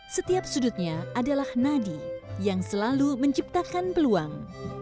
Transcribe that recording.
setiap sudutnya adalah nadi yang selalu menciptakan peluang